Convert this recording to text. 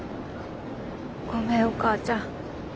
ごめんお母ちゃん。